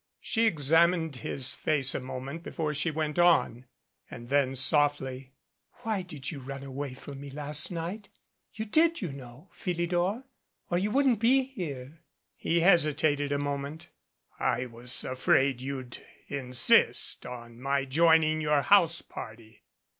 She examined his face a moment before she went on. And then softly: "Why did you run away from me last night? You did, you know, Philidor, or you wouldn't be here." He hesitated a moment. "I was afraid you'd insist on my joining your house party."